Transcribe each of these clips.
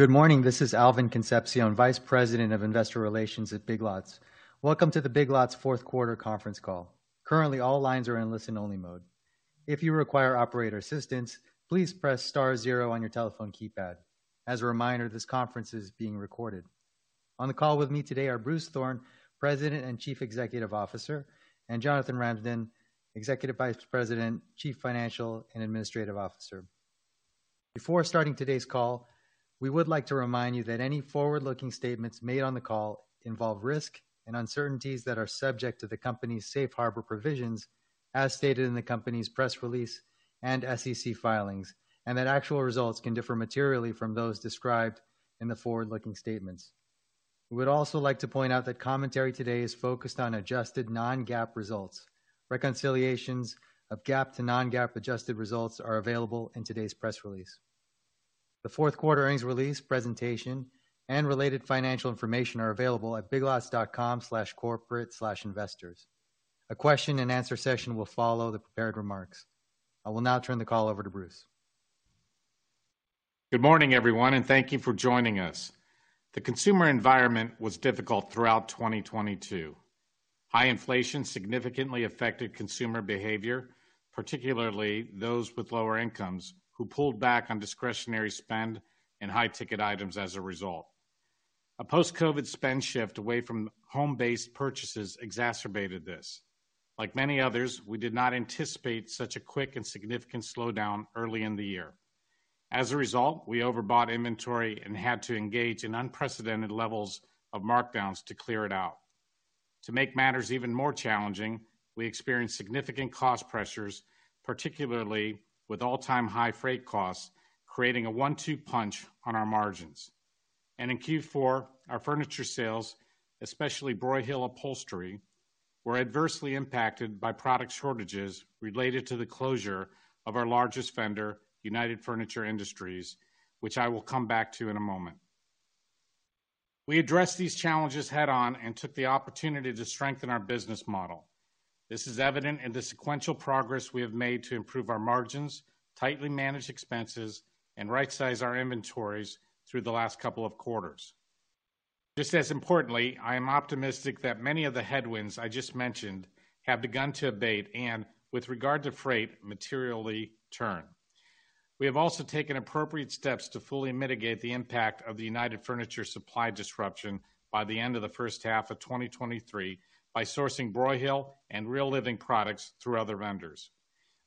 Good morning. This is Alvin Concepcion, Vice President of Investor Relations at Big Lots. Welcome to the Big Lots fourth quarter conference call. Currently, all lines are in listen-only mode. If you require operator assistance, please press Star zero on your telephone keypad. As a reminder, this conference is being recorded. On the call with me today are Bruce Thorn, President and Chief Executive Officer, and Jonathan Ramsden, Executive Vice President, Chief Financial and Administrative Officer. Before starting today's call, we would like to remind you that any forward-looking statements made on the call involve risk and uncertainties that are subject to the company's safe harbor provisions as stated in the company's press release and SEC filings, and that actual results can differ materially from those described in the forward-looking statements. We would also like to point out that commentary today is focused on adjusted non-GAAP results. Reconciliations of GAAP to non-GAAP adjusted results are available in today's press release. The fourth quarter earnings release presentation and related financial information are available at biglots.com/corporate/investors. A question and answer session will follow the prepared remarks. I will now turn the call over to Bruce. Good morning, everyone, thank you for joining us. The consumer environment was difficult throughout 2022. High inflation significantly affected consumer behavior, particularly those with lower incomes who pulled back on discretionary spend and high ticket items as a result. A post-COVID spend shift away from home-based purchases exacerbated this. Like many others, we did not anticipate such a quick and significant slowdown early in the year. As a result, we overbought inventory and had to engage in unprecedented levels of markdowns to clear it out. To make matters even more challenging, we experienced significant cost pressures, particularly with all-time high freight costs, creating a one-two punch on our margins. In Q4, our furniture sales, especially Broyhill Upholstery, were adversely impacted by product shortages related to the closure of our largest vendor, United Furniture Industries, which I will come back to in a moment. We addressed these challenges head-on and took the opportunity to strengthen our business model. This is evident in the sequential progress we have made to improve our margins, tightly manage expenses, and rightsize our inventories through the last couple of quarters. Just as importantly, I am optimistic that many of the headwinds I just mentioned have begun to abate and, with regard to freight, materially turn. We have also taken appropriate steps to fully mitigate the impact of the United Furniture supply disruption by the end of the first half of 2023 by sourcing Broyhill and Real Living products through other vendors.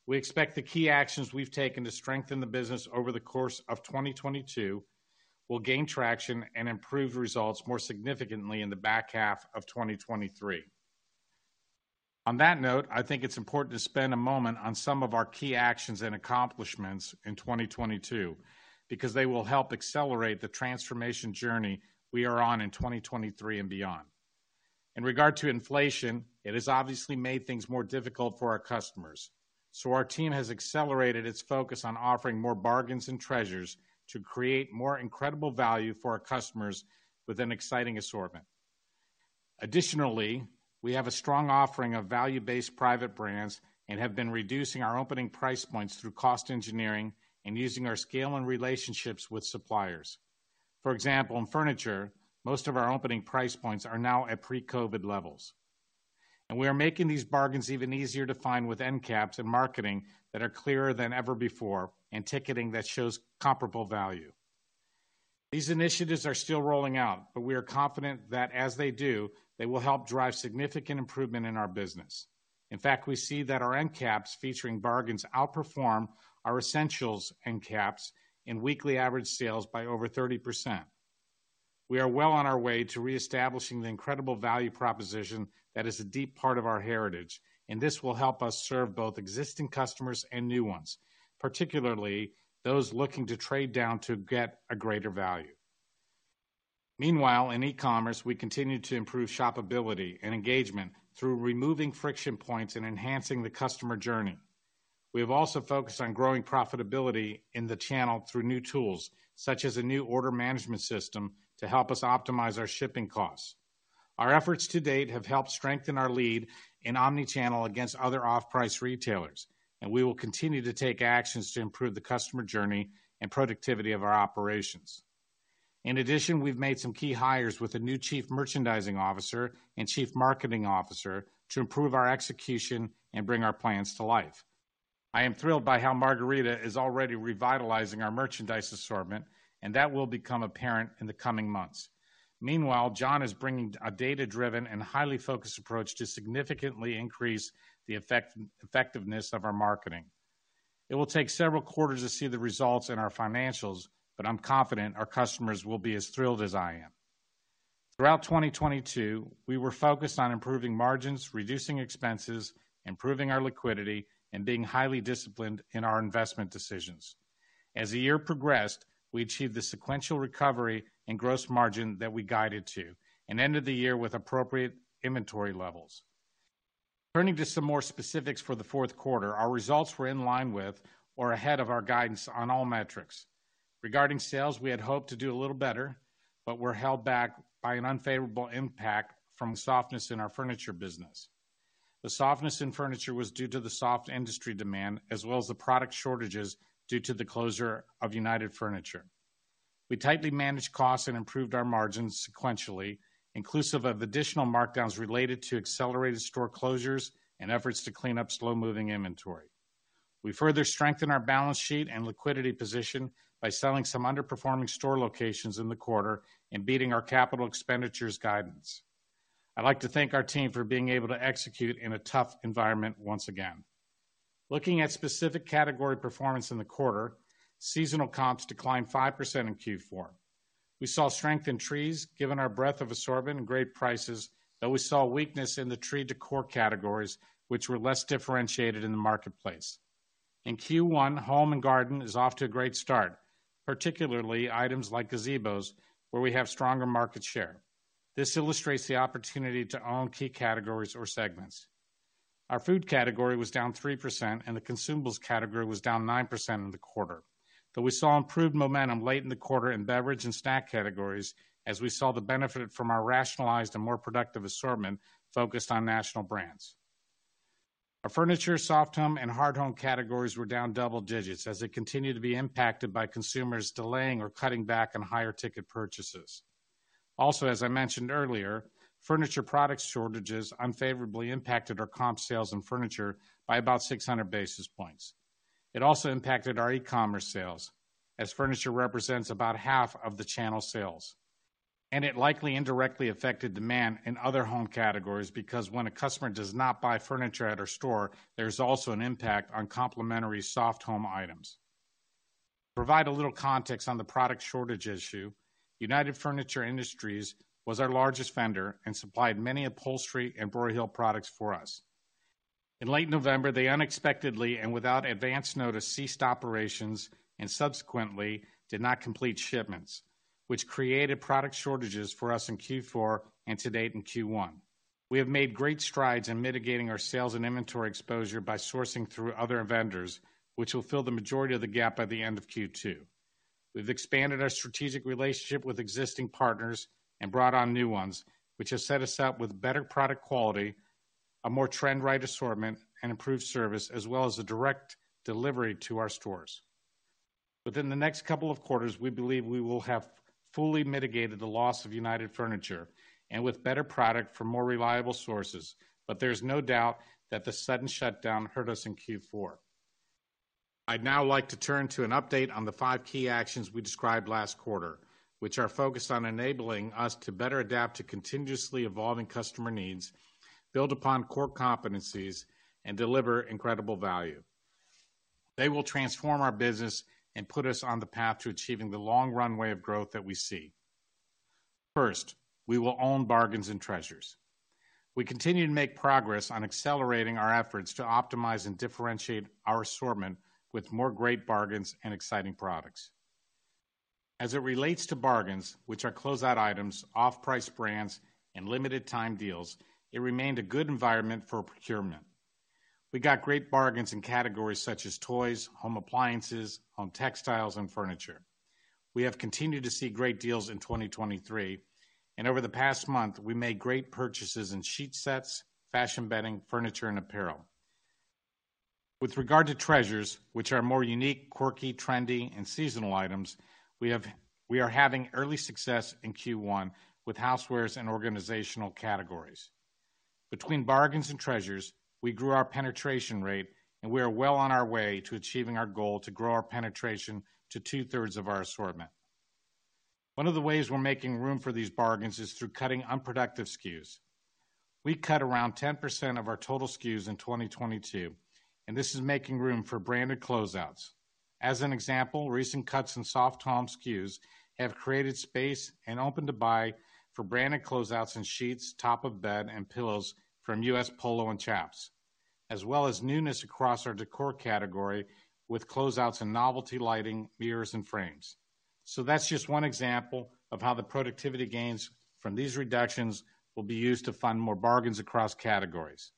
We expect the key actions we've taken to strengthen the business over the course of 2022 will gain traction and improve results more significantly in the back half of 2023. On that note, I think it's important to spend a moment on some of our key actions and accomplishments in 2022 because they will help accelerate the transformation journey we are on in 2023 and beyond. In regard to inflation, it has obviously made things more difficult for our customers. Our team has accelerated its focus on offering more bargains and treasures to create more incredible value for our customers with an exciting assortment. Additionally, we have a strong offering of value-based private brands and have been reducing our opening price points through cost engineering and using our scale and relationships with suppliers. For example, in furniture, most of our opening price points are now at pre-COVID levels. We are making these bargains even easier to find with end caps and marketing that are clearer than ever before and ticketing that shows comparable value. These initiatives are still rolling out, but we are confident that as they do, they will help drive significant improvement in our business. In fact, we see that our end caps featuring bargains outperform our essentials end caps in weekly average sales by over 30%. We are well on our way to reestablishing the incredible value proposition that is a deep part of our heritage, and this will help us serve both existing customers and new ones, particularly those looking to trade down to get a greater value. Meanwhile, in e-commerce, we continue to improve shopability and engagement through removing friction points and enhancing the customer journey. We have also focused on growing profitability in the channel through new tools, such as a new order management system to help us optimize our shipping costs. Our efforts to date have helped strengthen our lead in omnichannel against other off-price retailers. We will continue to take actions to improve the customer journey and productivity of our operations. In addition, we've made some key hires with a new chief merchandising officer and chief marketing officer to improve our execution and bring our plans to life. I am thrilled by how Margarita is already revitalizing our merchandise assortment. That will become apparent in the coming months. Meanwhile, John is bringing a data-driven and highly focused approach to significantly increase the effectiveness of our marketing. It will take several quarters to see the results in our financials. I'm confident our customers will be as thrilled as I am. Throughout 2022, we were focused on improving margins, reducing expenses, improving our liquidity, and being highly disciplined in our investment decisions. As the year progressed, we achieved the sequential recovery and gross margin that we guided to and ended the year with appropriate inventory levels. Turning to some more specifics for the fourth quarter, our results were in line with or ahead of our guidance on all metrics. Regarding sales, we had hoped to do a little better, but were held back by an unfavorable impact from softness in our furniture business. The softness in furniture was due to the soft industry demand, as well as the product shortages due to the closure of United Furniture. We tightly managed costs and improved our margins sequentially, inclusive of additional markdowns related to accelerated store closures and efforts to clean up slow-moving inventory. We further strengthened our balance sheet and liquidity position by selling some underperforming store locations in the quarter and beating our capital expenditures guidance. I'd like to thank our team for being able to execute in a tough environment once again. Looking at specific category performance in the quarter, seasonal comps declined 5% in Q4. We saw strength in trees, given our breadth of assortment and great prices. We saw weakness in the tree decor categories, which were less differentiated in the marketplace. In Q1, home and garden is off to a great start, particularly items like gazebos, where we have stronger market share. This illustrates the opportunity to own key categories or segments. Our food category was down 3% and the consumables category was down 9% in the quarter. We saw improved momentum late in the quarter in beverage and snack categories, as we saw the benefit from our rationalized and more productive assortment focused on national brands. Our furniture, soft home, and hard home categories were down double digits as they continue to be impacted by consumers delaying or cutting back on higher-ticket purchases. Also, as I mentioned earlier, furniture product shortages unfavorably impacted our comp sales and furniture by about 600 basis points. It also impacted our e-commerce sales, as furniture represents about half of the channel sales. It likely indirectly affected demand in other home categories because when a customer does not buy furniture at our store, there's also an impact on complementary soft home items. To provide a little context on the product shortage issue, United Furniture Industries was our largest vendor and supplied many upholstery and Broyhill products for us. In late November, they unexpectedly and without advance notice, ceased operations and subsequently did not complete shipments, which created product shortages for us in Q4 and to date in Q1. We have made great strides in mitigating our sales and inventory exposure by sourcing through other vendors, which will fill the majority of the gap by the end of Q2. We've expanded our strategic relationship with existing partners and brought on new ones, which has set us up with better product quality, a more trend-right assortment, and improved service, as well as a direct delivery to our stores. Within the next couple of quarters, we believe we will have fully mitigated the loss of United Furniture and with better product for more reliable sources. There's no doubt that the sudden shutdown hurt us in Q4. I'd now like to turn to an update on the five key actions we described last quarter, which are focused on enabling us to better adapt to continuously evolving customer needs, build upon core competencies, and deliver incredible value. They will transform our business and put us on the path to achieving the long runway of growth that we see. First, we will own bargains and treasures. We continue to make progress on accelerating our efforts to optimize and differentiate our assortment with more great bargains and exciting products. As it relates to bargains, which are closeout items, off-price brands, and limited time deals, it remained a good environment for procurement. We got great bargains in categories such as toys, home appliances, home textiles, and furniture. We have continued to see great deals in 2023, and over the past month, we made great purchases in sheet sets, fashion bedding, furniture, and apparel. With regard to treasures, which are more unique, quirky, trendy, and seasonal items, we are having early success in Q1 with housewares and organizational categories. Between bargains and treasures, we grew our penetration rate, and we are well on our way to achieving our goal to grow our penetration to two-thirds of our assortment. One of the ways we're making room for these bargains is through cutting unproductive SKUs. We cut around 10% of our total SKUs in 2022, and this is making room for branded closeouts. As an example, recent cuts in soft home SKUs have created space and open to buy for branded closeouts in sheets, top of bed, and pillows from US Polo and Chaps, as well as newness across our decor category with closeouts in novelty lighting, mirrors, and frames. That's just one example of how the productivity gains from these reductions will be used to fund more bargains across categories.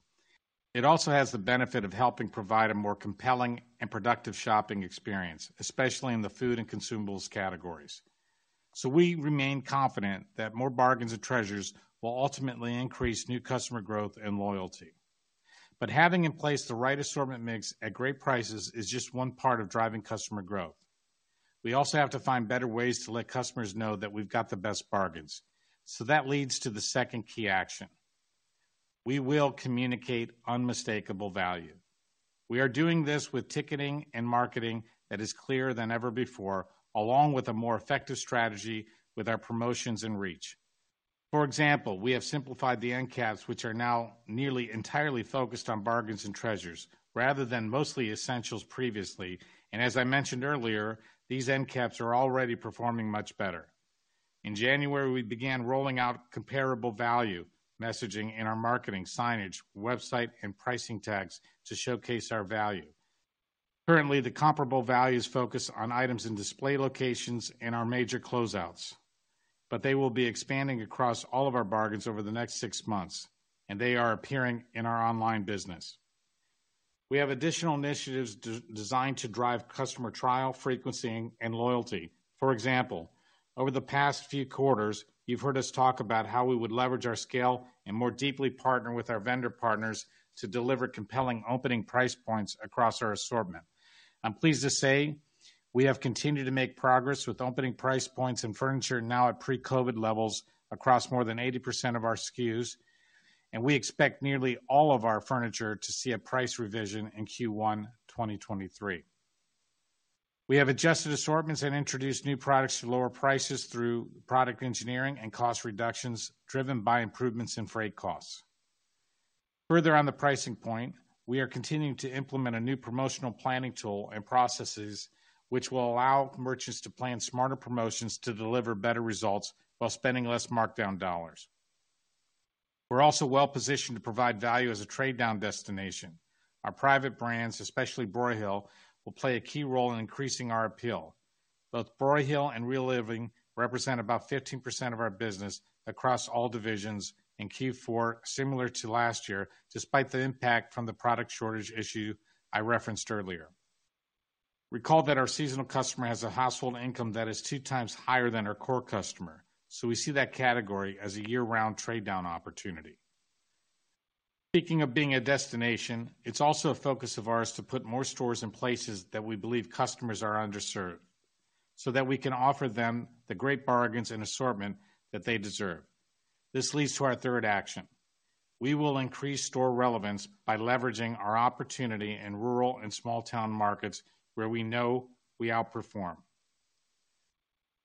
It also has the benefit of helping provide a more compelling and productive shopping experience, especially in the food and consumables categories. We remain confident that more bargains and treasures will ultimately increase new customer growth and loyalty. Having in place the right assortment mix at great prices is just one part of driving customer growth. We also have to find better ways to let customers know that we've got the best bargains. That leads to the second key action. We will communicate unmistakable value. We are doing this with ticketing and marketing that is clearer than ever before, along with a more effective strategy with our promotions and reach. For example, we have simplified the end caps, which are now nearly entirely focused on bargains and treasures rather than mostly essentials previously. As I mentioned earlier, these end caps are already performing much better. In January, we began rolling out comparable value messaging in our marketing signage, website, and pricing tags to showcase our value. Currently, the comparable value is focused on items in display locations and our major closeouts, but they will be expanding across all of our bargains over the next six months, and they are appearing in our online business. We have additional initiatives designed to drive customer trial, frequency and loyalty. For example, over the past few quarters, you've heard us talk about how we would leverage our scale and more deeply partner with our vendor partners to deliver compelling opening price points across our assortment. I'm pleased to say we have continued to make progress with opening price points and furniture now at pre-COVID levels across more than 80% of our SKUs, and we expect nearly all of our furniture to see a price revision in Q1 2023. We have adjusted assortments and introduced new products to lower prices through product engineering and cost reductions driven by improvements in freight costs. Further on the pricing point, we are continuing to implement a new promotional planning tool and processes which will allow merchants to plan smarter promotions to deliver better results while spending less markdown dollars. We're also well-positioned to provide value as a trade down destination. Our private brands, especially Broyhill, will play a key role in increasing our appeal. Both Broyhill and Real Living represent about 15% of our business across all divisions in Q4, similar to last year, despite the impact from the product shortage issue I referenced earlier. Recall that our seasonal customer has a household income that is two times higher than our core customer, so we see that category as a year-round trade down opportunity. Speaking of being a destination, it's also a focus of ours to put more stores in places that we believe customers are underserved, so that we can offer them the great bargains and assortment that they deserve. This leads to our third action. We will increase store relevance by leveraging our opportunity in rural and small town markets where we know we outperform.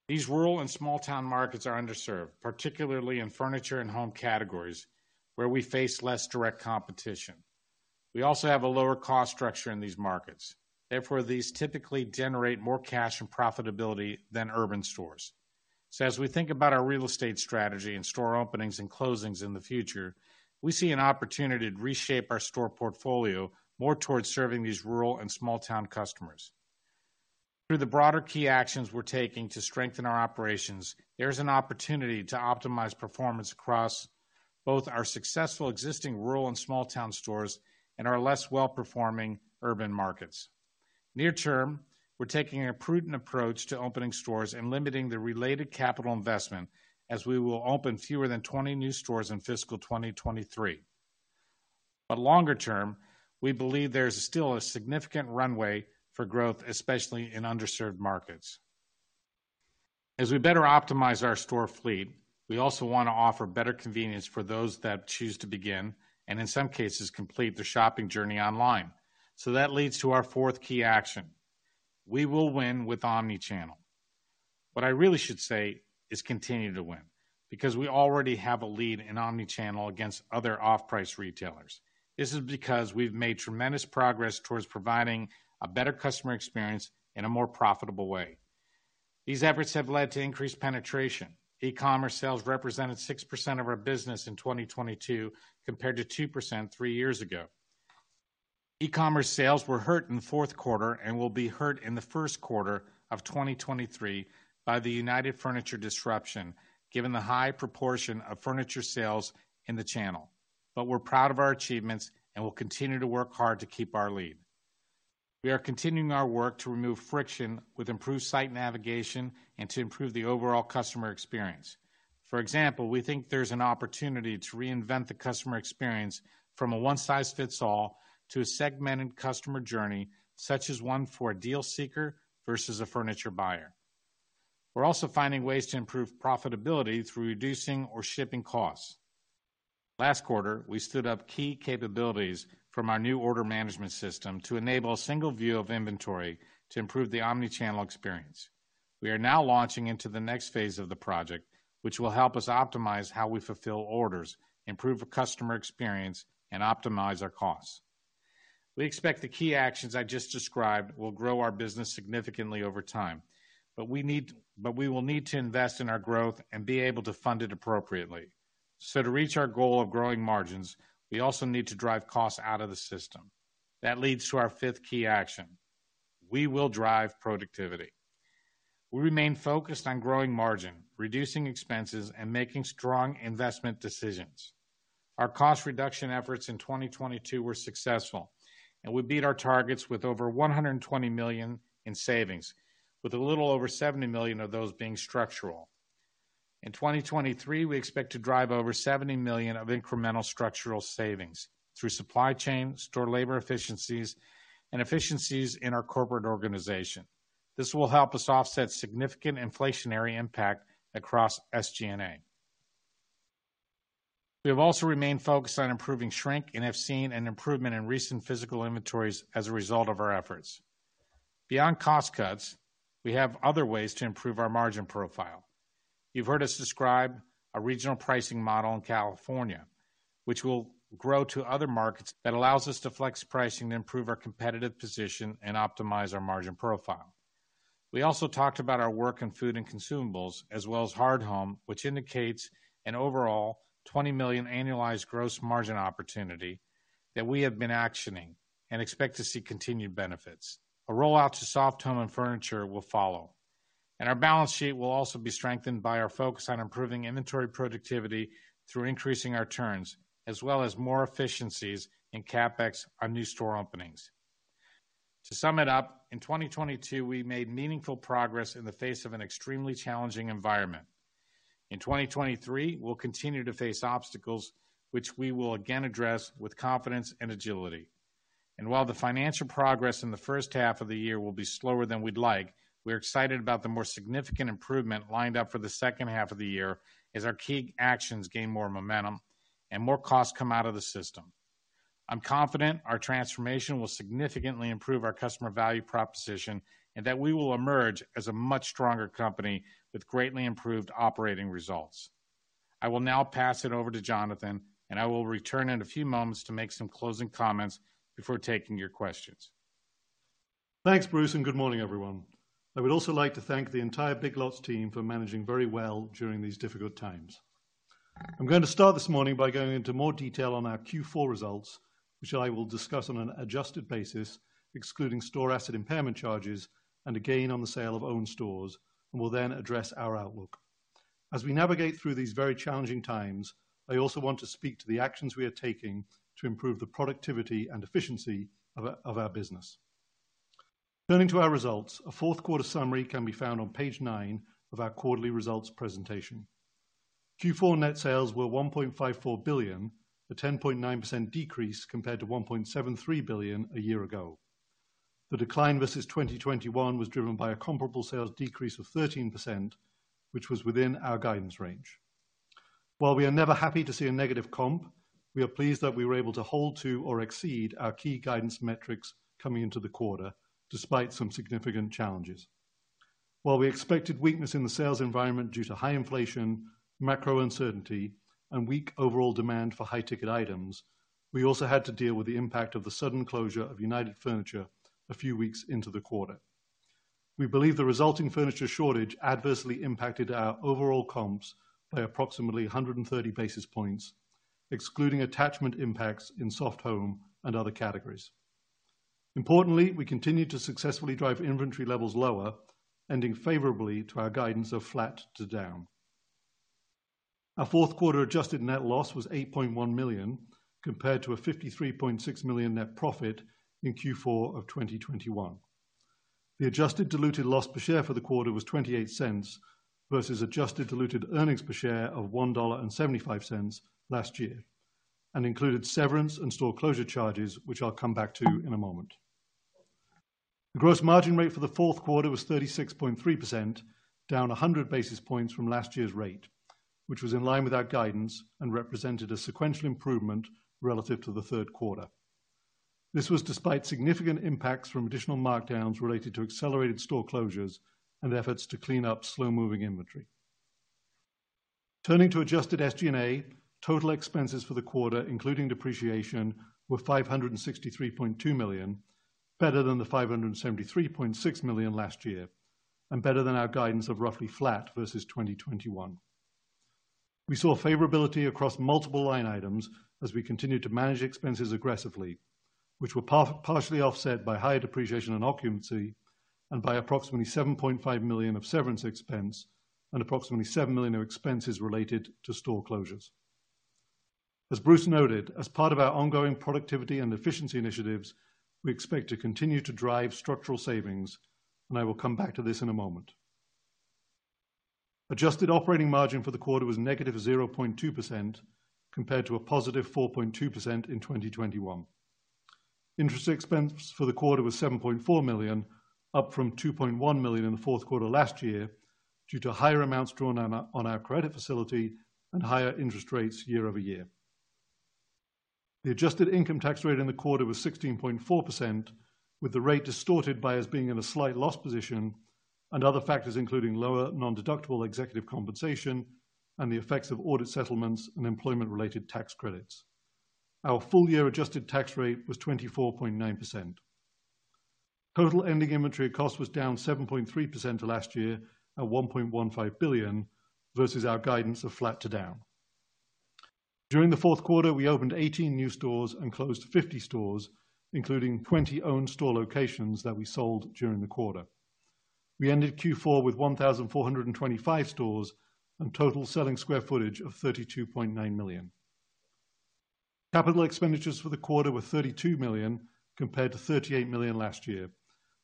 These rural and small town markets are underserved, particularly in furniture and home categories, where we face less direct competition. We also have a lower cost structure in these markets. Therefore, these typically generate more cash and profitability than urban stores. As we think about our real estate strategy and store openings and closings in the future, we see an opportunity to reshape our store portfolio more towards serving these rural and small town customers. Through the broader key actions we're taking to strengthen our operations, there's an opportunity to optimize performance across both our successful existing rural and small town stores and our less well-performing urban markets. Near term, we're taking a prudent approach to opening stores and limiting the related capital investment as we will open fewer than 20 new stores in fiscal 2023. Longer-term, we believe there's still a significant runway for growth, especially in underserved markets. As we better optimize our store fleet, we also wanna offer better convenience for those that choose to begin, and in some cases, complete their shopping journey online. That leads to our fourth key action. We will win with omnichannel. What I really should say is continue to win, because we already have a lead in omnichannel against other off-price retailers. This is because we've made tremendous progress towards providing a better customer experience in a more profitable way. These efforts have led to increased penetration. E-commerce sales represented 6% of our business in 2022, compared to 2% 3 years ago. E-commerce sales were hurt in the fourth quarter and will be hurt in the first quarter of 2023 by the United Furniture disruption, given the high proportion of furniture sales in the channel. We're proud of our achievements and will continue to work hard to keep our lead. We are continuing our work to remove friction with improved site navigation and to improve the overall customer experience. For example, we think there's an opportunity to reinvent the customer experience from a one size fits all to a segmented customer journey, such as one for a deal seeker versus a furniture buyer. We're also finding ways to improve profitability through reducing or shipping costs. Last quarter, we stood up key capabilities from our new order management system to enable a single view of inventory to improve the omnichannel experience. We are now launching into the next phase of the project, which will help us optimize how we fulfill orders, improve the customer experience, and optimize our costs. We expect the key actions I just described will grow our business significantly over time, but we will need to invest in our growth and be able to fund it appropriately. To reach our goal of growing margins, we also need to drive costs out of the system. That leads to our fifth key action. We will drive productivity. We remain focused on growing margin, reducing expenses, and making strong investment decisions. Our cost reduction efforts in 2022 were successful, and we beat our targets with over $120 million in savings, with a little over $70 million of those being structural. In 2023, we expect to drive over $70 million of incremental structural savings through supply chain, store labor efficiencies, and efficiencies in our corporate organization. This will help us offset significant inflationary impact across SG&A. We have also remained focused on improving shrink and have seen an improvement in recent physical inventories as a result of our efforts. Beyond cost cuts, we have other ways to improve our margin profile. You've heard us describe a regional pricing model in California, which will grow to other markets that allows us to flex pricing to improve our competitive position and optimize our margin profile. We also talked about our work in food and consumables, as well as hard home, which indicates an overall $20 million annualized gross margin opportunity that we have been actioning and expect to see continued benefits. A rollout to soft home and furniture will follow. Our balance sheet will also be strengthened by our focus on improving inventory productivity through increasing our turns, as well as more efficiencies in CapEx on new store openings. To sum it up, in 2022, we made meaningful progress in the face of an extremely challenging environment. In 2023, we'll continue to face obstacles which we will again address with confidence and agility. While the financial progress in the first half of the year will be slower than we'd like, we're excited about the more significant improvement lined up for the second half of the year as our key actions gain more momentum and more costs come out of the system. I'm confident our transformation will significantly improve our customer value proposition and that we will emerge as a much stronger company with greatly improved operating results. I will now pass it over to Jonathan, and I will return in a few moments to make some closing comments before taking your questions. Thanks, Bruce. Good morning, everyone. I would also like to thank the entire Big Lots team for managing very well during these difficult times. I'm going to start this morning by going into more detail on our Q4 results, which I will discuss on an adjusted basis, excluding store asset impairment charges and a gain on the sale of own stores, and will then address our outlook. As we navigate through these very challenging times, I also want to speak to the actions we are taking to improve the productivity and efficiency of our business. Turning to our results, a fourth quarter summary can be found on page nine of our quarterly results presentation. Q4 net sales were $1.54 billion, a 10.9% decrease compared to $1.73 billion a year ago. The decline versus 2021 was driven by a comparable sales decrease of 13%, which was within our guidance range. While we are never happy to see a negative comp, we are pleased that we were able to hold to or exceed our key guidance metrics coming into the quarter despite some significant challenges. While we expected weakness in the sales environment due to high inflation, macro uncertainty, and weak overall demand for high ticket items, we also had to deal with the impact of the sudden closure of United Furniture a few weeks into the quarter. We believe the resulting furniture shortage adversely impacted our overall comps by approximately 130 basis points, excluding attachment impacts in soft home and other categories. Importantly, we continued to successfully drive inventory levels lower, ending favorably to our guidance of flat to down. Our fourth quarter adjusted net loss was $8.1 million compared to a $53.6 million net profit in Q4 of 2021. The adjusted diluted loss per share for the quarter was $0.28 versus adjusted diluted earnings per share of $1.75 last year and included severance and store closure charges, which I'll come back to in a moment. The gross margin rate for the fourth quarter was 36.3%, down 100 basis points from last year's rate, which was in line with our guidance and represented a sequential improvement relative to the third quarter. This was despite significant impacts from additional markdowns related to accelerated store closures and efforts to clean up slow-moving inventory. Turning to adjusted SG&A, total expenses for the quarter, including depreciation, were $563.2 million, better than the $573.6 million last year, and better than our guidance of roughly flat versus 2021. We saw favorability across multiple line items as we continued to manage expenses aggressively, which were partially offset by higher depreciation and occupancy and by approximately $7.5 million of severance expense and approximately $7 million of expenses related to store closures. As Bruce noted, as part of our ongoing productivity and efficiency initiatives, we expect to continue to drive structural savings, and I will come back to this in a moment. Adjusted operating margin for the quarter was negative 0.2% compared to a positive 4.2% in 2021. Interest expense for the quarter was $7.4 million, up from $2.1 million in the fourth quarter last year due to higher amounts drawn on our credit facility and higher interest rates year-over-year. The adjusted income tax rate in the quarter was 16.4%, with the rate distorted by us being in a slight loss position and other factors including lower non-deductible executive compensation and the effects of audit settlements and employment-related tax credits. Our full year adjusted tax rate was 24.9%. Total ending inventory cost was down 7.3% to last year at $1.15 billion versus our guidance of flat to down. During the fourth quarter, we opened 18 new stores and closed 50 stores, including 20 own store locations that we sold during the quarter. We ended Q4 with 1,425 stores and total selling sq ft of 32.9 million. Capital expenditures for the quarter were $32 million compared to $38 million last year,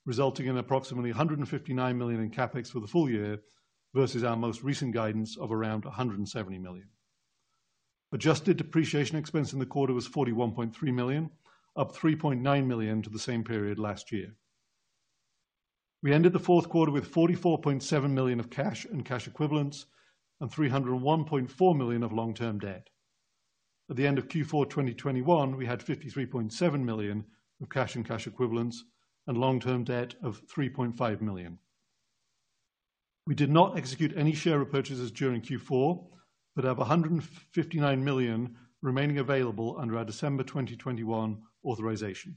resulting in approximately $159 million in CapEx for the full year versus our most recent guidance of around $170 million. Adjusted depreciation expense in the quarter was $41.3 million, up $3.9 million to the same period last year. We ended the fourth quarter with $44.7 million of cash and cash equivalents and $301.4 million of long-term debt. At the end of Q4 2021, we had $53.7 million of cash and cash equivalents and long-term debt of $3.5 million. We did not execute any share repurchases during Q4, but have $159 million remaining available under our December 2021 authorization.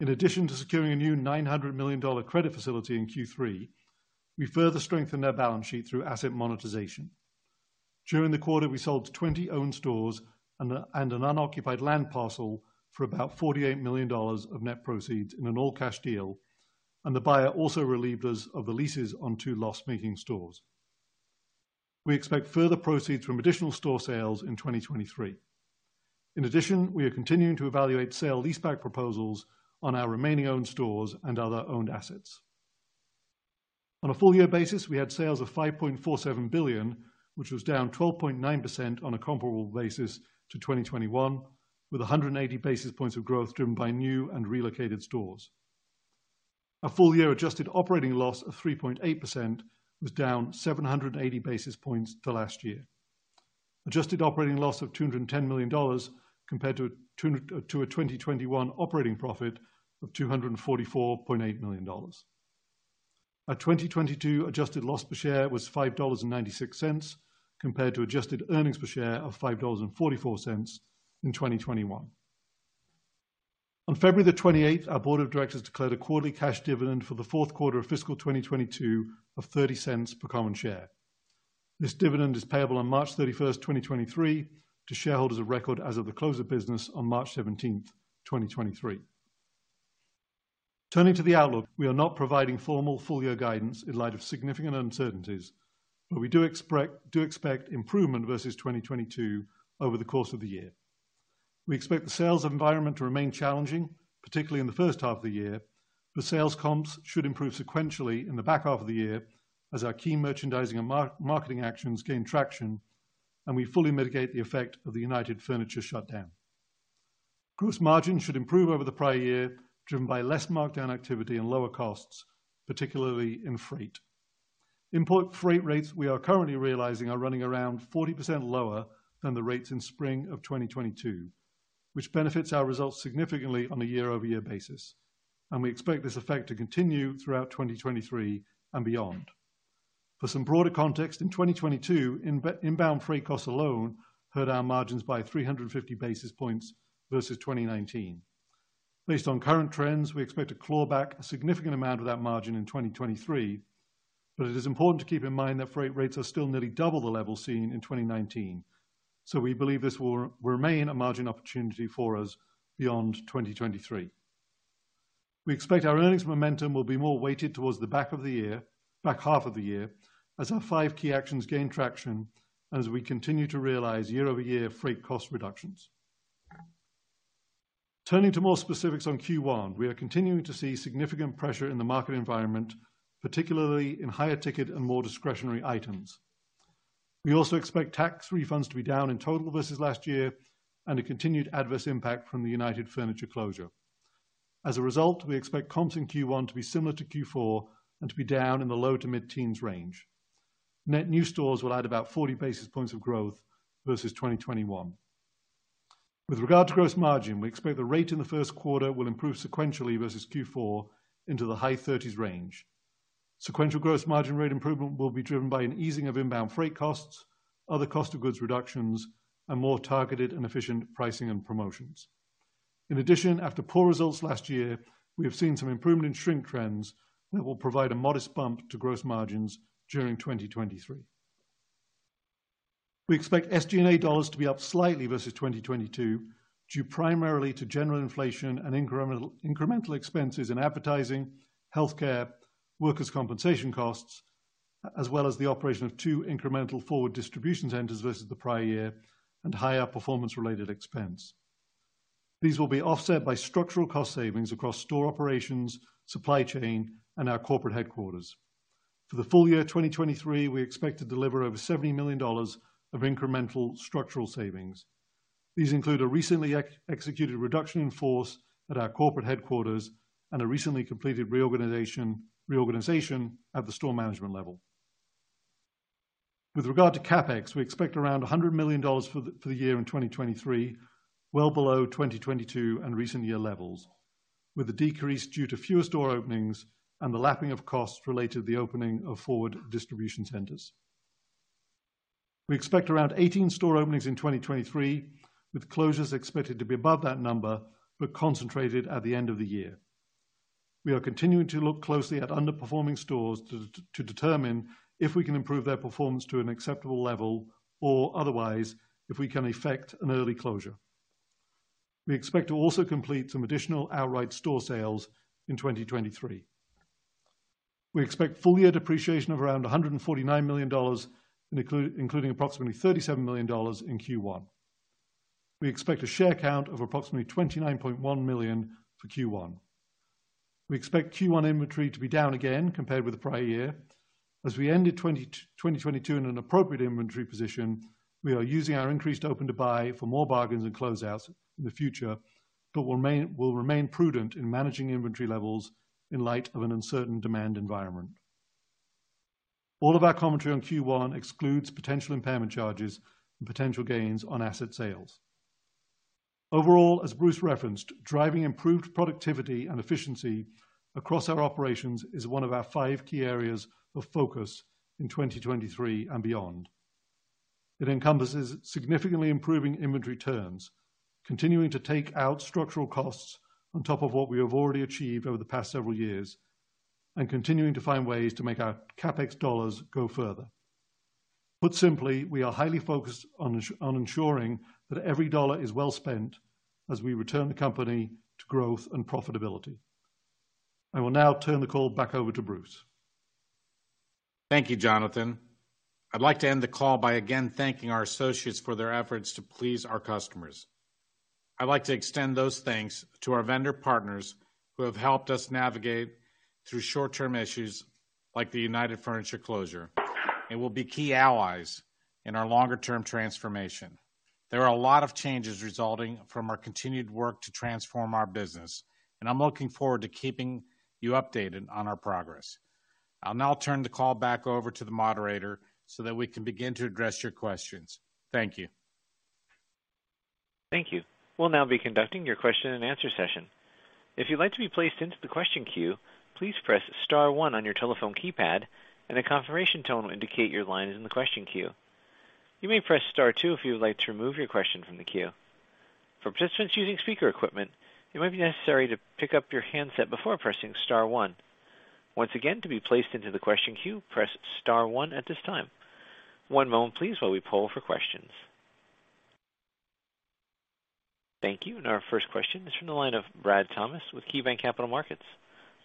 In addition to securing a new $900 million credit facility in Q3, we further strengthened our balance sheet through asset monetization. During the quarter, we sold 20 owned stores and an unoccupied land parcel for about $48 million of net proceeds in an all-cash deal. The buyer also relieved us of the leases on two loss-making stores. We expect further proceeds from additional store sales in 2023. In addition, we are continuing to evaluate sale-leaseback proposals on our remaining owned stores and other owned assets. On a full year basis, we had sales of $5.47 billion, which was down 12.9% on a comparable basis to 2021, with 180 basis points of growth driven by new and relocated stores. A full year adjusted operating loss of 3.8% was down 780 basis points to last year. Adjusted operating loss of $210 million compared to a 2021 operating profit of $244.8 million. Our 2022 adjusted loss per share was $5.96 compared to adjusted earnings per share of $5.44 in 2021. On February 28th, our board of directors declared a quarterly cash dividend for the fourth quarter of fiscal 2022 of $0.30 per common share. This dividend is payable on March 31st, 2023 to shareholders of record as of the close of business on March 17th, 2023. Turning to the outlook. We are not providing formal full year guidance in light of significant uncertainties, but we do expect improvement versus 2022 over the course of the year. We expect the sales environment to remain challenging, particularly in the first half of the year, but sales comps should improve sequentially in the back half of the year as our key merchandising and marketing actions gain traction and we fully mitigate the effect of the United Furniture shutdown. Gross margin should improve over the prior year, driven by less markdown activity and lower costs, particularly in freight. Import freight rates we are currently realizing are running around 40% lower than the rates in spring of 2022, which benefits our results significantly on a year-over-year basis. We expect this effect to continue throughout 2023 and beyond. For some broader context, in 2022, inbound freight costs alone hurt our margins by 350 basis points versus 2019. Based on current trends, we expect to claw back a significant amount of that margin in 2023. It is important to keep in mind that freight rates are still nearly double the level seen in 2019. We believe this will remain a margin opportunity for us beyond 2023. We expect our earnings momentum will be more weighted towards the back of the year, back half of the year, as our five key actions gain traction and as we continue to realize year-over-year freight cost reductions. Turning to more specifics on Q1. We are continuing to see significant pressure in the market environment, particularly in higher ticket and more discretionary items. We also expect tax refunds to be down in total versus last year and a continued adverse impact from the United Furniture closure. We expect comps in Q1 to be similar to Q4 and to be down in the low to mid-teens range. Net new stores will add about 40 basis points of growth versus 2021. With regard to gross margin, we expect the rate in the first quarter will improve sequentially versus Q4 into the high 30s range. Sequential gross margin rate improvement will be driven by an easing of inbound freight costs, other cost of goods reductions, and more targeted and efficient pricing and promotions. After poor results last year, we have seen some improvement in shrink trends that will provide a modest bump to gross margins during 2023. We expect SG&A dollars to be up slightly versus 2022, due primarily to general inflation and incremental expenses in advertising, healthcare, workers' compensation costs, as well as the operation of two incremental forward distribution centers versus the prior year and higher performance related expense. These will be offset by structural cost savings across store operations, supply chain, and our corporate headquarters. For the full year 2023, we expect to deliver over $70 million of incremental structural savings. These include a recently executed reduction in force at our corporate headquarters and a recently completed reorganization at the store management level. With regard to CapEx, we expect around $100 million for the year in 2023, well below 2022 and recent year levels, with the decrease due to fewer store openings and the lapping of costs related to the opening of forward distribution centers. We expect around 18 store openings in 2023, with closures expected to be above that number, but concentrated at the end of the year. We are continuing to look closely at underperforming stores to determine if we can improve their performance to an acceptable level or otherwise if we can effect an early closure. We expect to also complete some additional outright store sales in 2023. We expect full year depreciation of around $149 million, including approximately $37 million in Q1. We expect a share count of approximately 29.1 million for Q1. We expect Q1 inventory to be down again compared with the prior year. As we ended 2022 in an appropriate inventory position, we are using our increased open to buy for more bargains and closeouts in the future, but will remain prudent in managing inventory levels in light of an uncertain demand environment. All of our commentary on Q1 excludes potential impairment charges and potential gains on asset sales. Overall, as Bruce referenced, driving improved productivity and efficiency across our operations is one of our five key areas of focus in 2023 and beyond. It encompasses significantly improving inventory turns, continuing to take out structural costs on top of what we have already achieved over the past several years. Continuing to find ways to make our CapEx dollars go further. Put simply, we are highly focused on ensuring that every dollar is well spent as we return the company to growth and profitability. I will now turn the call back over to Bruce. Thank you, Jonathan. I'd like to end the call by, again, thanking our associates for their efforts to please our customers. I'd like to extend those thanks to our vendor partners who have helped us navigate through short-term issues like the United Furniture closure and will be key allies in our longer-term transformation. There are a lot of changes resulting from our continued work to transform our business, and I'm looking forward to keeping you updated on our progress. I'll now turn the call back over to the moderator so that we can begin to address your questions. Thank you. Thank you. We'll now be conducting your question-and-answer session. If you'd like to be placed into the question queue, please press Star one on your telephone keypad and a confirmation tone will indicate your line is in the question queue. You may press Star two if you would like to remove your question from the queue. For participants using speaker equipment, it might be necessary to pick up your handset before pressing Star one. Once again, to be placed into the question queue, press Star one at this time. One moment please while we poll for questions. Thank you. Our first question is from the line of Brad Thomas with KeyBanc Capital Markets.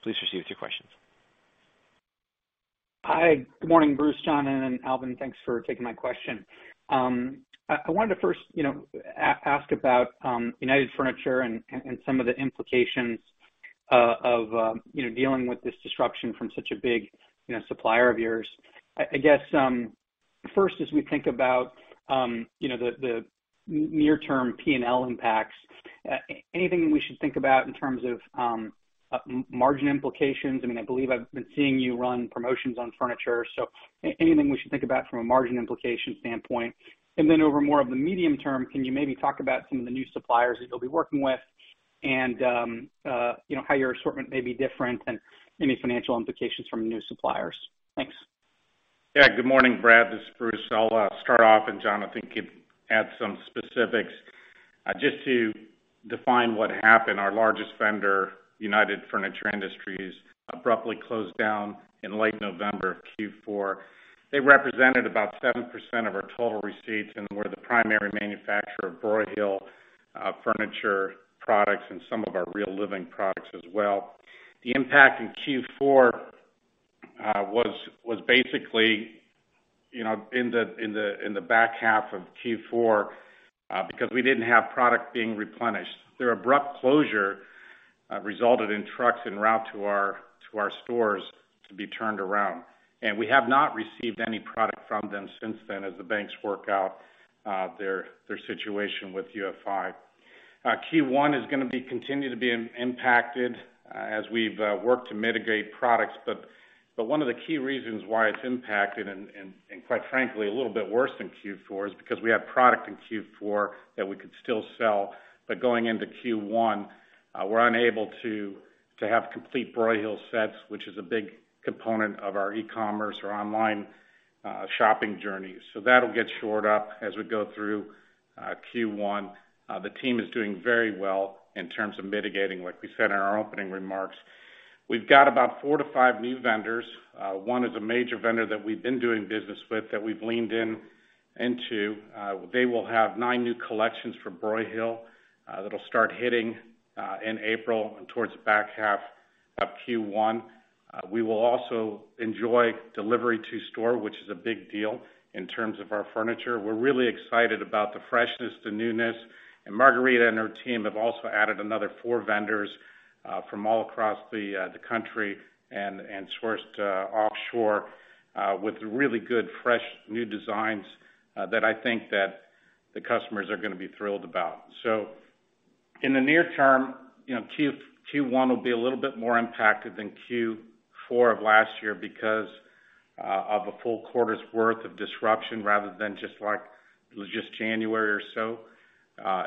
Please proceed with your questions. Hi, good morning, Bruce, Jonathan, and Alvin. Thanks for taking my question. I wanted to first, you know, ask about United Furniture and some of the implications of, you know, dealing with this disruption from such a big, you know, supplier of yours. I guess, first, as we think about, you know, the near-term P&L impacts, anything we should think about in terms of margin implications? I mean, I believe I've been seeing you run promotions on furniture, anything we should think about from a margin implication standpoint. Over more of the medium term, can you maybe talk about some of the new suppliers that you'll be working with and, you know, how your assortment may be different and any financial implications from new suppliers? Thanks. Good morning, Brad. This is Bruce. I'll start off, and Jonathan can add some specifics. Just to define what happened, our largest vendor, United Furniture Industries, abruptly closed down in late November of Q4. They represented about 7% of our total receipts and were the primary manufacturer of Broyhill furniture products and some of our Real Living products as well. The impact in Q4 was basically, you know, in the back half of Q4, because we didn't have product being replenished. Their abrupt closure resulted in trucks en route to our stores to be turned around, and we have not received any product from them since then as the banks work out their situation with UFI. Q1 is gonna be continue to be impacted as we've worked to mitigate products. One of the key reasons why it's impacted and quite frankly, a little bit worse than Q4 is because we have product in Q4 that we could still sell. Going into Q1, we're unable to have complete Broyhill sets, which is a big component of our e-commerce or online shopping journeys. That'll get shored up as we go through Q1. The team is doing very well in terms of mitigating, like we said in our opening remarks. We've got about four to five new vendors. one is a major vendor that we've been doing business with that we've leaned into. They will have nine new collections from Broyhill, that'll start hitting in April and towards the back half of Q1. We will also enjoy delivery to store, which is a big deal in terms of our furniture. We're really excited about the freshness, the newness, and Margarita and her team have also added another four vendors from all across the country and sourced offshore with really good, fresh, new designs that I think that the customers are gonna be thrilled about. In the near term, you know, Q1 will be a little bit more impacted than Q4 of last year because of a full quarter's worth of disruption rather than just like it was just January or so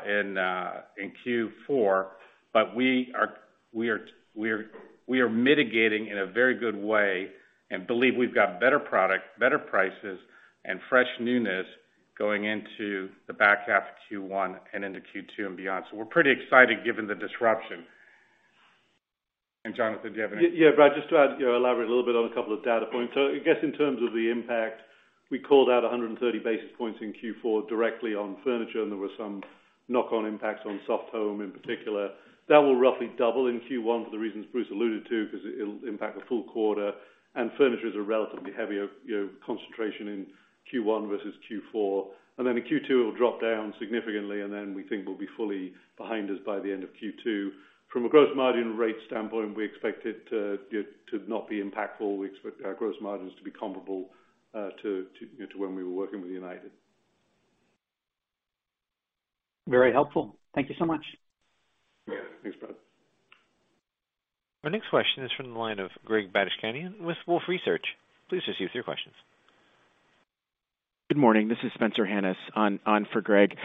in Q4. We are mitigating in a very good way and believe we've got better product, better prices, and fresh newness going into the back half of Q1 and into Q2 and beyond. We're pretty excited given the disruption. Jonathan, do you have anything? Yeah, Brad, just to add, you know, elaborate a little bit on a couple of data points. I guess in terms of the impact, we called out 130 basis points in Q4 directly on furniture, and there were some knock-on impacts on soft home in particular. That will roughly double in Q1 for the reasons Bruce alluded to, 'cause it-it'll impact a full quarter and furniture is a relatively heavier, you know, concentration in Q1 versus Q4. In Q2, it will drop down significantly, and then we think we'll be fully behind us by the end of Q2. From a gross margin rate standpoint, we expect it to, you know, to not be impactful. We expect our gross margins to be comparable to, you know, to when we were working with United. Very helpful. Thank you so much. Yeah. Thanks, Brad. Our next question is from the line of Greg Badishkanian with Wolfe Research. Please proceed with your questions. Good morning. This is Spencer Hanus on for Greg.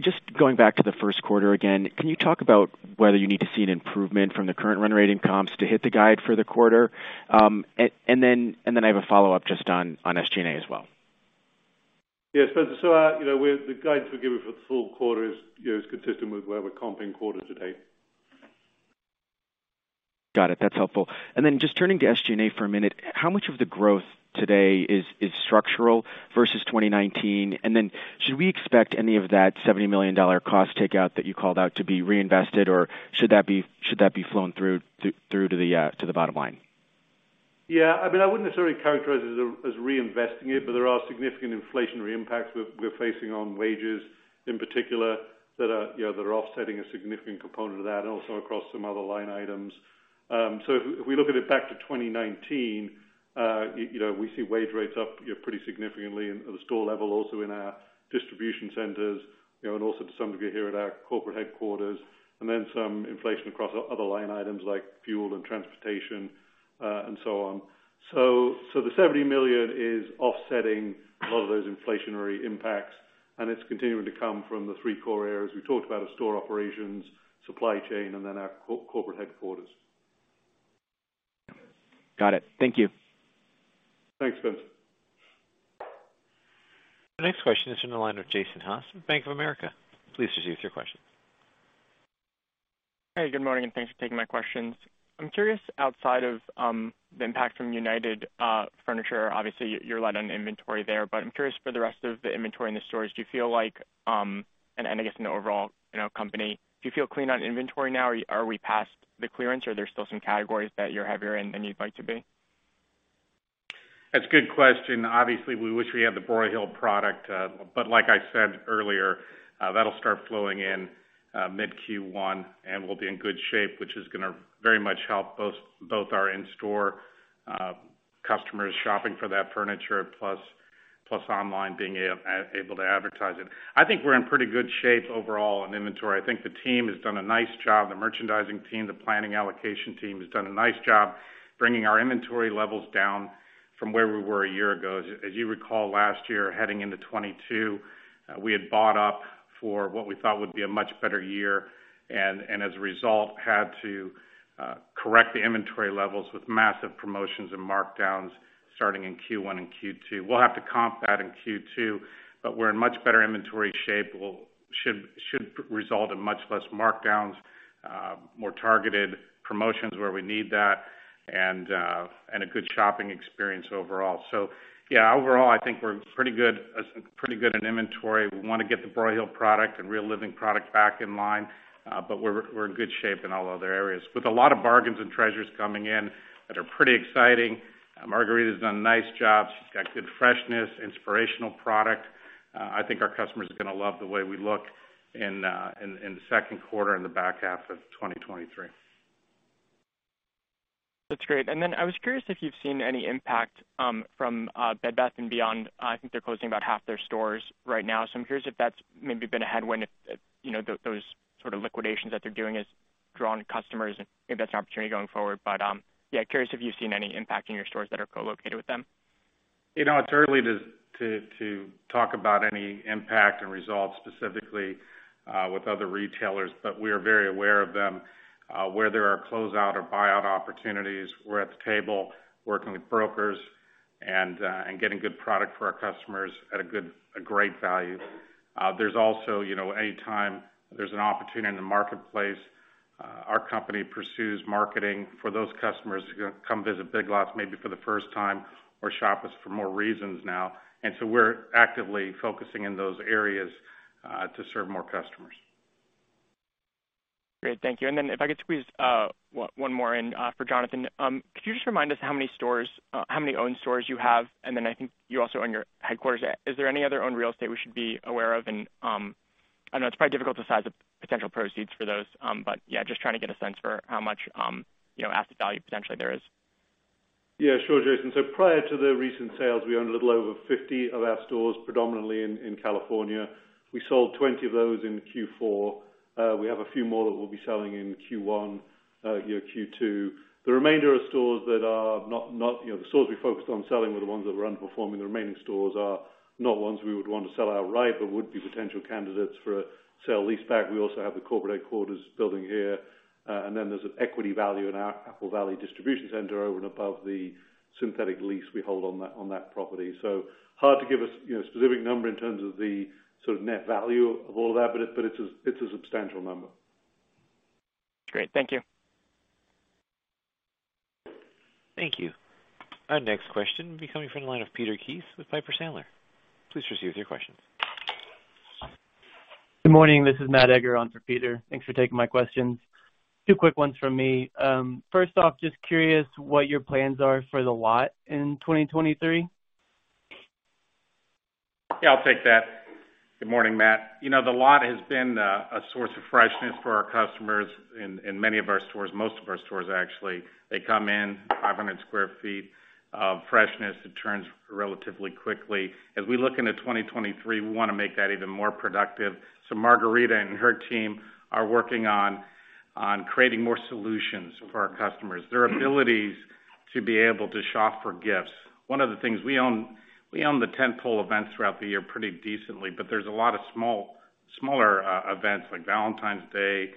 Just going back to the first quarter again, can you talk about whether you need to see an improvement from the current run rate in comps to hit the guide for the quarter? And then I have a follow-up just on SG&A as well. Yes, you know, the guidance we're giving for the full quarter is, you know, is consistent with where we're comping quarters today. Got it. That's helpful. Just turning to SG&A for a minute, how much of the growth today is structural versus 2019? Should we expect any of that $70 million cost takeout that you called out to be reinvested, or should that be flown through to the bottom line? Yeah, I mean, I wouldn't necessarily characterize it as reinvesting it, but there are significant inflationary impacts we're facing on wages in particular that are, you know, that are offsetting a significant component of that and also across some other line items. If we look at it back to 2019, you know, we see wage rates up, you know, pretty significantly at the store level, also in our distribution centers, you know, and also to some degree here at our corporate headquarters. Some inflation across other line items like fuel and transportation, and so on. So the $70 million is offsetting a lot of those inflationary impacts, and it's continuing to come from the three core areas we talked about of store operations, supply chain, and then our corporate headquarters. Got it. Thank you. Thanks, Vincent. The next question is from the line of Jason Haas from Bank of America. Please proceed with your question. Hey, good morning, and thanks for taking my questions. I'm curious outside of the impact from United Furniture, obviously you're light on inventory there, but I'm curious for the rest of the inventory in the stores, do you feel like, and I guess in the overall, you know, company, do you feel clean on inventory now? Are we past the clearance or are there still some categories that you're heavier in than you'd like to be? That's a good question. Obviously, we wish we had the Broyhill product, but like I said earlier, that'll start flowing in mid Q1, and we'll be in good shape, which is going to very much help both our in-store customers shopping for that furniture plus online being able to advertise it. I think we're in pretty good shape overall on inventory. I think the team has done a nice job. The merchandising team, the planning allocation team has done a nice job bringing our inventory levels down from where we were a year ago. As you recall last year heading into 2022, we had bought up for what we thought would be a much better year and as a result had to correct the inventory levels with massive promotions and markdowns starting in Q1 and Q2. We'll have to comp that in Q2, but we're in much better inventory shape. should result in much less markdowns, more targeted promotions where we need that and a good shopping experience overall. Yeah, overall I think we're pretty good in inventory. We wanna get the Broyhill product and Real Living product back in line, but we're in good shape in all other areas. With a lot of bargains and treasures coming in that are pretty exciting, Margarita's done a nice job. She's got good freshness, inspirational product. I think our customers are gonna love the way we look in the second quarter and the back half of 2023. That's great. Then I was curious if you've seen any impact from Bed Bath and Beyond. I think they're closing about half their stores right now, so I'm curious if that's maybe been a headwind if, you know, those sort of liquidations that they're doing has drawn customers and if that's an opportunity going forward. Yeah, curious if you've seen any impact in your stores that are co-located with them. You know, it's early to talk about any impact and results specifically with other retailers, but we are very aware of them. Where there are closeout or buyout opportunities, we're at the table working with brokers and getting good product for our customers at a great value. There's also, you know, any time there's an opportunity in the marketplace, our company pursues marketing for those customers who are gonna come visit Big Lots maybe for the first time or shop us for more reasons now. We're actively focusing in those areas to serve more customers. Great. Thank you. If I could squeeze one more in for Jonathan. Could you just remind us how many owned stores you have? I think you also own your headquarters. Is there any other owned real estate we should be aware of? I know it's probably difficult to size up potential proceeds for those, but yeah, just trying to get a sense for how much, you know, asset value potentially there is. Yeah, sure, Jason. Prior to the recent sales, we owned a little over 50 of our stores, predominantly in California. We sold 20 of those in Q4. We have a few more that we'll be selling in Q1, Q2. The remainder of stores that are not, you know, the stores we focused on selling were the ones that were underperforming. The remaining stores are not ones we would want to sell outright, but would be potential candidates for a sale-leaseback. We also have the corporate headquarters building here. There's an equity value in our Apple Valley distribution center over and above the synthetic lease we hold on that property. Hard to give a, you know, specific number in terms of the sort of net value of all of that, but it's a substantial number. Great. Thank you. Thank you. Our next question will be coming from the line of Peter Keith with Piper Sandler. Please proceed with your questions. Good morning. This is Matt Egger on for Peter. Thanks for taking my questions. Two quick ones from me. First off, just curious what your plans are for the lot in 2023? Yeah, I'll take that. Good morning, Matt. You know, the lot has been a source of freshness for our customers in many of our stores, most of our stores actually. They come in 500 sq ft of freshness. It turns relatively quickly. As we look into 2023, we wanna make that even more productive. Margarita and her team are working on creating more solutions for our customers, their abilities to be able to shop for gifts. One of the things we own, we own the tent pole events throughout the year pretty decently, but there's a lot of smaller events like Valentine's Day,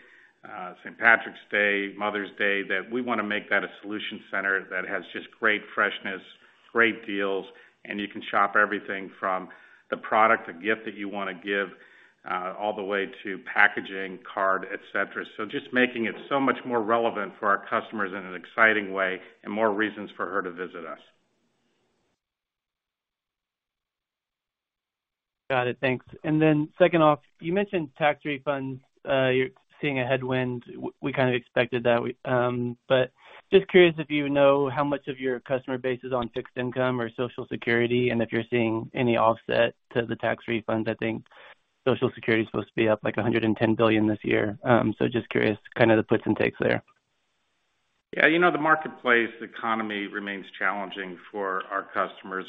St. Patrick's Day, Mother's Day, that we wanna make that a solution center that has just great freshness, great deals, and you can shop everything from the product, the gift that you wanna give, all the way to packaging, card, et cetera. Just making it so much more relevant for our customers in an exciting way and more reasons for her to visit us. Got it. Thanks. Then second off, you mentioned tax refunds. You're seeing a headwind. We kinda expected that. Just curious if you know how much of your customer base is on fixed income or Social Security, and if you're seeing any offset to the tax refunds. I think Social Security is supposed to be up, like, $110 billion this year. Just curious kinda the puts and takes there. Yeah, you know, the marketplace economy remains challenging for our customers.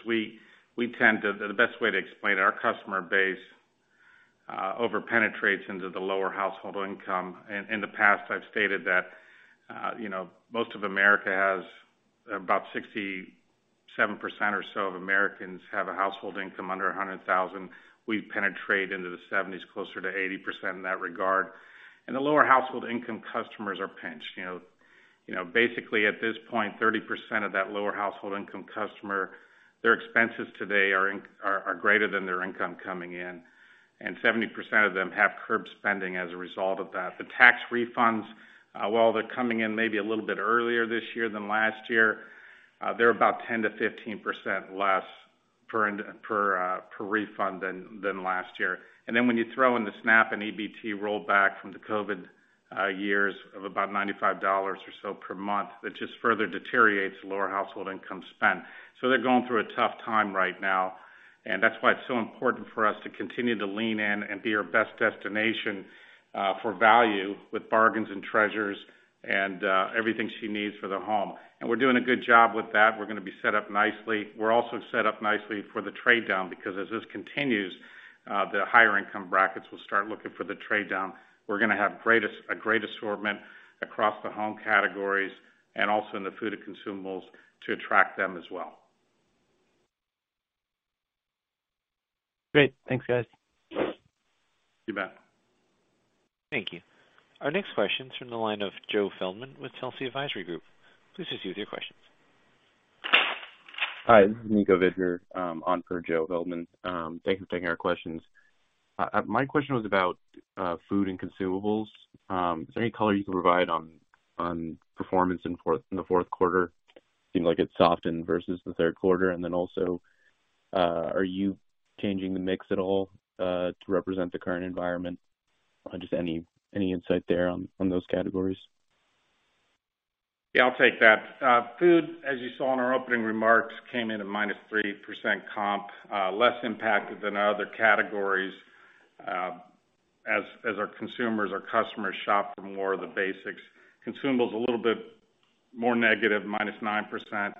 The best way to explain our customer base over penetrates into the lower household income. In the past, I've stated that, you know, most of America has about 67% or so of Americans have a household income under $100,000. We penetrate into the 70s, closer to 80% in that regard. The lower household income customers are pinched. You know, basically, at this point, 30% of that lower household income customer, their expenses today are greater than their income coming in, and 70% of them have curbed spending as a result of that. The tax refunds, while they're coming in maybe a little bit earlier this year than last year, they're about 10%-15% less per refund than last year. When you throw in the SNAP and EBT rollback from the COVID years of about $95 or so per month, that just further deteriorates lower household income spend. They're going through a tough time right now, and that's why it's so important for us to continue to lean in and be our best destination for value with bargains and treasures and everything she needs for the home. We're doing a good job with that. We're gonna be set up nicely. We're also set up nicely for the trade-down because as this continues, the higher income brackets will start looking for the trade-down. We're gonna have a great assortment across the home categories and also in the food and consumables to attract them as well. Great. Thanks, guys. You bet. Thank you. Our next question is from the line of Joe Feldman with Telsey Advisory Group. Please assist with your questions. Hi, this is Nicholas Vidger, on for Joe Feldman. Thanks for taking our questions. My question was about food and consumables. Is there any color you can provide on performance in the fourth quarter? Seemed like it softened versus the third quarter. Also, are you changing the mix at all to represent the current environment? Just any insight there on those categories? Yeah, I'll take that. Food, as you saw in our opening remarks, came in at -3% comp, less impacted than our other categories, as our consumers or customers shop for more of the basics. Consumables, a little bit more negative, -9%.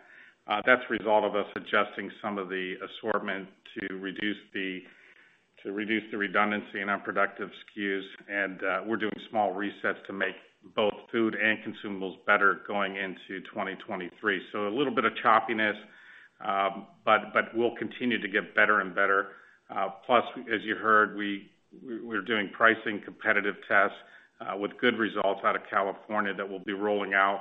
That's a result of us adjusting some of the assortment to reduce the redundancy in our productive SKUs. We're doing small resets to make both food and consumables better going into 2023. A little bit of choppiness, but we'll continue to get better and better. Plus, as you heard, we're doing pricing competitive tests with good results out of California that we'll be rolling out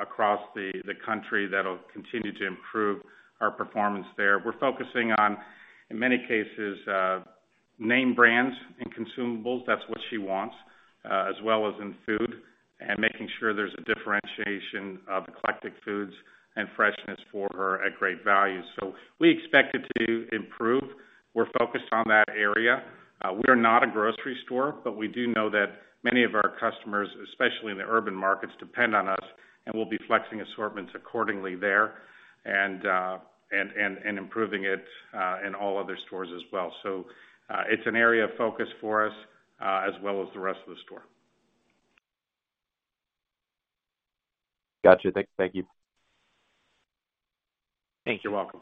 across the country that'll continue to improve our performance there. We're focusing on, in many cases, name brands and consumables, that's what she wants, as well as in food, and making sure there's a differentiation of eclectic foods and freshness for her at great value. We expect it to improve. We're focused on that area. We are not a grocery store, but we do know that many of our customers, especially in the urban markets, depend on us, and we'll be flexing assortments accordingly there and improving it in all other stores as well. It's an area of focus for us, as well as the rest of the store. Gotcha. Thank you. Thank you. You're welcome.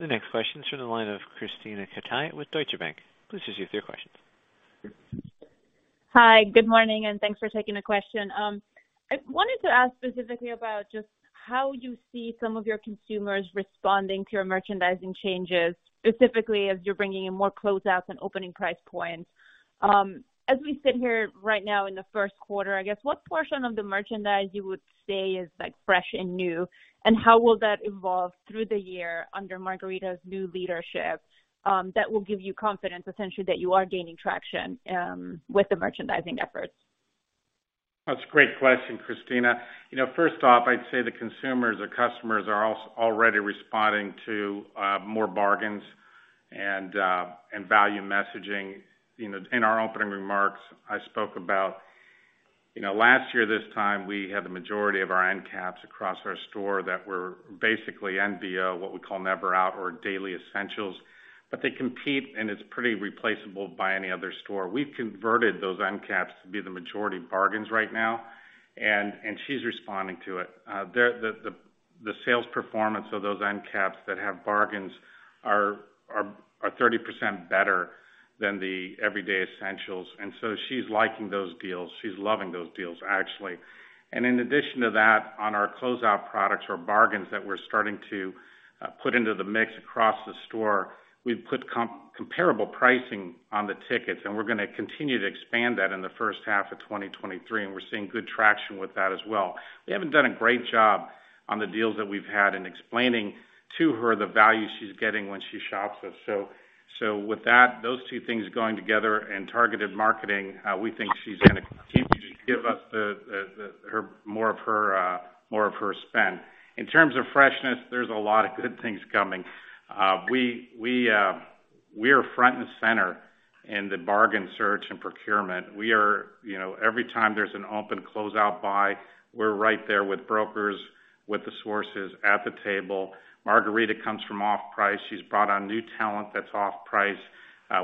The next question is from the line of Krisztina Katai with Deutsche Bank. Please assist with your questions. Hi, good morning, thanks for taking the question. I wanted to ask specifically about just how you see some of your consumers responding to your merchandising changes, specifically as you're bringing in more closeouts and opening price points. As we sit here right now in the first quarter, I guess, what portion of the merchandise you would say is, like, fresh and new, and how will that evolve through the year under Margarita's new leadership, that will give you confidence, essentially, that you are gaining traction with the merchandising efforts? That's a great question, Christina. You know, first off, I'd say the consumers or customers are already responding to more bargains and value messaging. You know, in our opening remarks, I spoke about, you know, last year, this time, we had the majority of our end caps across our store that were basically NVO, what we call never out or daily essentials, but they compete, and it's pretty replaceable by any other store. We've converted those end caps to be the majority bargains right now, and she's responding to it. The sales performance of those end caps that have bargains are 30% better than the everyday essentials. She's liking those deals. She's loving those deals, actually. In addition to that, on our closeout products or bargains that we're starting to put into the mix across the store, we've put comparable pricing on the tickets, and we're gonna continue to expand that in the first half of 2023, and we're seeing good traction with that as well. We haven't done a great job on the deals that we've had in explaining to her the value she's getting when she shops with us. With that, those two things going together and targeted marketing, we think she's gonna continue to give us the her, more of her, more of her spend. In terms of freshness, there's a lot of good things coming. We are front and center in the bargain search and procurement. We are. You know, every time there's an open closeout buy, we're right there with brokers, with the sources at the table. Margarita comes from off-price. She's brought on new talent that's off-price.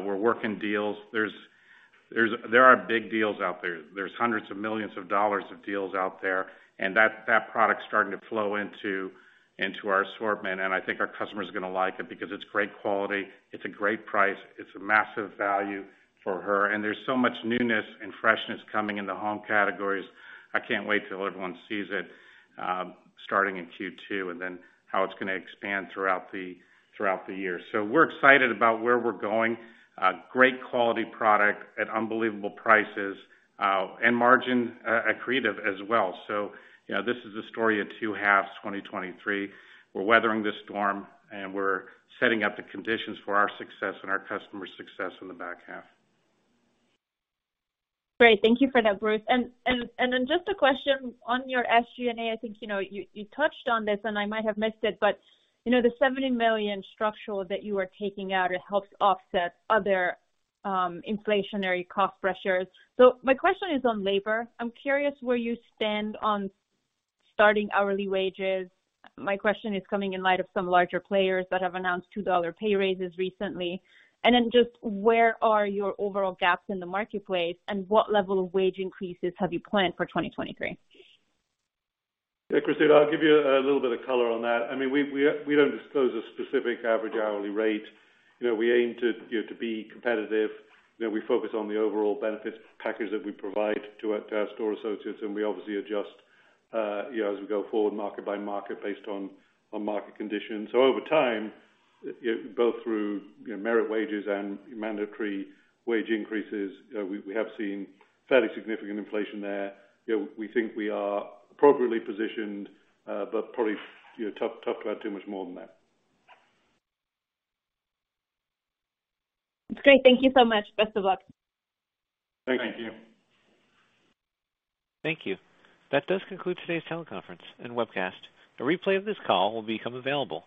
We're working deals. There are big deals out there. There's hundreds of millions of dollars of deals out there, and that product's starting to flow into our assortment, and I think our customers are gonna like it because it's great quality, it's a great price, it's a massive value for her, and there's so much newness and freshness coming in the home categories. I can't wait till everyone sees it, starting in Q2, and then how it's gonna expand throughout the, throughout the year. We're excited about where we're going. A great quality product at unbelievable prices, and margin accretive as well. you know, this is a story of two halves, 2023. We're weathering this storm, and we're setting up the conditions for our success and our customer success in the back half. Great. Thank you for that, Bruce. Just a question on your SG&A. I think, you know, you touched on this, and I might have missed it, but, you know, the $70 million structural that you are taking out, it helps offset other inflationary cost pressures. My question is on labor. I'm curious where you stand on starting hourly wages. My question is coming in light of some larger players that have announced $2 pay raises recently. Just where are your overall gaps in the marketplace, and what level of wage increases have you planned for 2023? Christina, I'll give you a little bit of color on that. I mean, we don't disclose a specific average hourly rate. You know, we aim to, you know, to be competitive. You know, we focus on the overall benefits package that we provide to our store associates, and we obviously adjust, you know, as we go forward, market by market, based on market conditions. Over time, you know, both through, you know, merit wages and mandatory wage increases, we have seen fairly significant inflation there. You know, we think we are appropriately positioned, but probably, you know, tough to add too much more than that. That's great. Thank you so much. Best of luck. Thank you. Thank you. Thank you. That does conclude today's teleconference and webcast. A replay of this call will become available.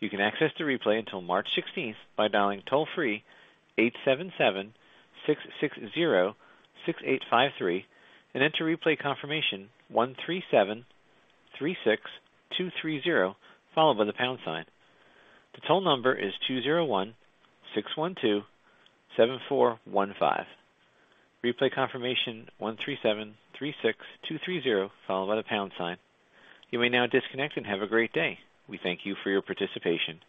You can access the replay until March 16th by dialing toll-free 877-660-6853 and enter replay confirmation 13736230, followed by the pound sign. The toll number is 201-612-7415. Replay confirmation 13736230, followed by the pound sign. You may now disconnect and have a great day. We thank you for your participation.